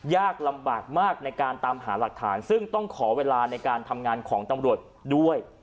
ยากลำบากมากในการตามหาหลักฐานซึ่งต้องขอเวลาในการทำงานของตำรวจด้วย